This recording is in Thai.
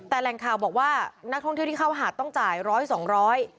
แต่แหล่งข่าวบอกว่านักท่องเที่ยวที่เข้าหาดต้องจ่ายร้อยสองร้อย